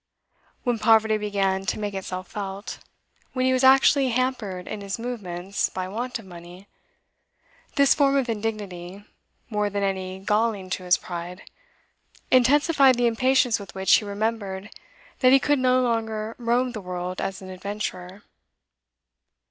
When poverty began to make itself felt, when he was actually hampered in his movements by want of money, this form of indignity, more than any galling to his pride, intensified the impatience with which he remembered that he could no longer roam the world as an adventurer.